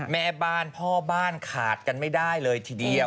แม่บ้านพ่อบ้านขาดกันไม่ได้เลยทีเดียว